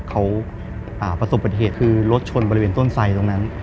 เขาประสบบัติเหตุคือรถชนบริเวณต้นไสตรงนั้น